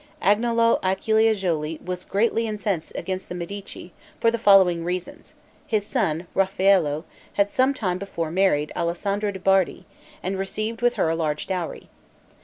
Agnolo Acciajuoli was greatly incensed against the Medici, for the following reasons: his son, Raffaello, had some time before married Alessandra de' Bardi, and received with her a large dowry.